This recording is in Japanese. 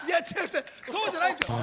そうじゃないんですよ。